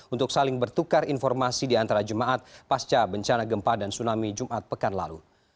untuk saling bertukar informasi di antara jemaat pasca bencana gempa dan tsunami jumat pekan lalu